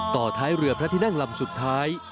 ต่อท้ายเรือพระที่นั่งลำสุดท้าย